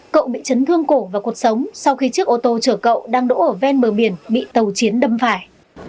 cậu bị chấn thương cổ và cuộc sống sau khi chiếc ô tô chở cậu đang đỗ ở ven bờ biển bị tàu chiến đâm phải